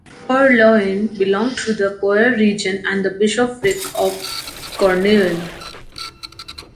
Poullaouen belonged to the Poher region and the bishopric of Cornouaille.